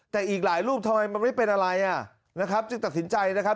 แต่อีกหลายรูปทำไมมันไม่เป็นอะไรอ่ะนะครับจึงตัดสินใจนะครับ